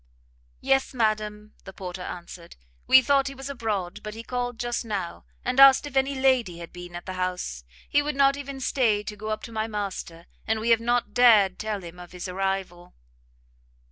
"Yes, madam," the porter answered; "we thought he was abroad, but he called just now, and asked if any lady had been at the house. He would not even stay to go up to my master, and we have not dared tell him of his arrival."